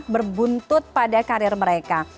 berbuntut pada karir mereka